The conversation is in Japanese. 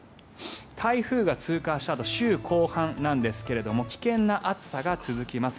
台風が通過したあと週後半ですが危険な暑さが続きます。